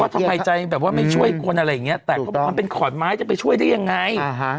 ทำไมใจแบบว่าไม่ช่วยคนอะไรอย่างเงี้ยแต่เขาบอกมันเป็นขอนไม้จะไปช่วยได้ยังไง